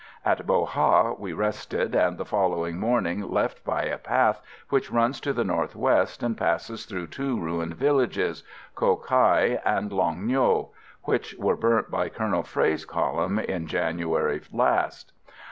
At Bo Ha we rested, and the following morning left by a path which runs to the north west and passes through two ruined villages, Cho Kai and Long Ngo, which were burnt by Colonel Frey's column in January last."